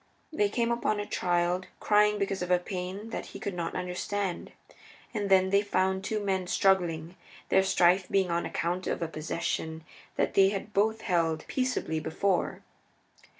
They came upon a child crying because of a pain that he could not understand. And then they found two men struggling, their strife being on account of a possession that they had both held peaceably before.